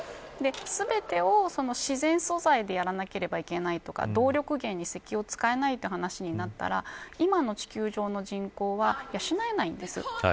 全てを自然素材でやらなければいけないとか動力源に石油を使えないという話になったら今の地球上の人口は養えないんです。